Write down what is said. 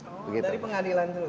oh dari pengadilan dulu